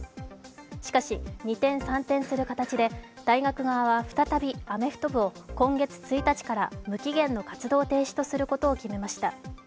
しかし二転三転する形で大学側は再びアメフト部を今月１日から無期限の活動停止とすることを決めました。